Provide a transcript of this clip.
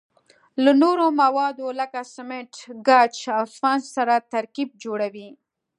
له نورو موادو لکه سمنټ، ګچ او اسفنج سره ترکیبات جوړوي.